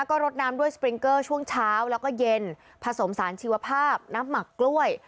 ก็รดน้ำด้วยสปริงเกอร์ช่วงเช้าแล้วก็เย็นผสมสารชีวภาพน้ำหมักกล้วย